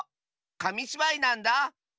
かみしばいなんだ。